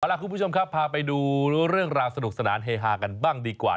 ล่ะคุณผู้ชมครับพาไปดูเรื่องราวสนุกสนานเฮฮากันบ้างดีกว่า